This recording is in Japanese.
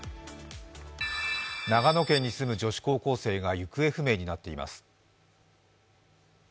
長野県に住む女子高校生が行方不明になっています。